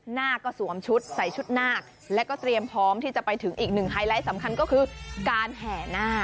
หน้าก็สวมชุดใส่ชุดนาคแล้วก็เตรียมพร้อมที่จะไปถึงอีกหนึ่งไฮไลท์สำคัญก็คือการแห่นาค